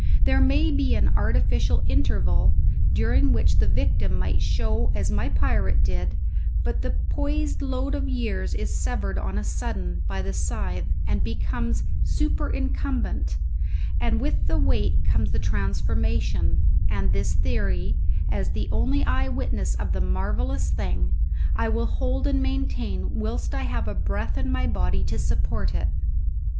There may be an artificial interval, during which the victim might show as my pirate did, but the poised load of years is severed on a sudden by the scythe and becomes superincumbent, and with the weight comes the transformation; and this theory, as the only eye witness of the marvellous thing, I will hold and maintain whilst I have breath in my body to support it.